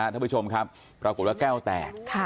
ท่านผู้ชมครับปรากฏว่าแก้วแตก